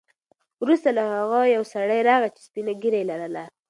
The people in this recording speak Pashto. وروسته له هغه یو سړی راغی چې سپینه ږیره یې لرله.